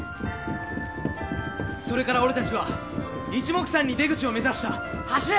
それから俺たちは一目散に出口を目指した！走れ！！